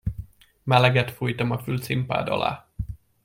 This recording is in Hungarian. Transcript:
Meleget fújtam a fülcimpád alá.